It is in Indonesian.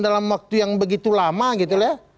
dalam waktu yang begitu lama gitu ya